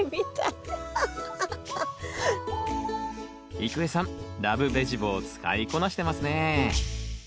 郁恵さん「らぶベジボー」使いこなしてますね。